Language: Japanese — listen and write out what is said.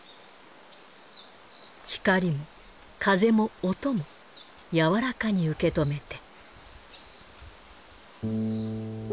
光も風も音もやわらかに受け止めて。